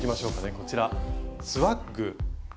こちら「スワッグ」。